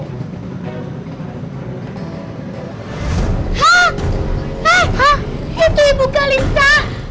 hai hai hah itu ibu kalista